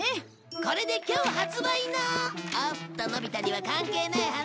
これで今日発売のおっとのび太には関係ない話だった。